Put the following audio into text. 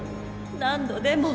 何度でも！